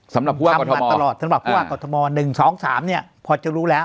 สำหรับภูวากรธม๑๒๓พอจะรู้แล้ว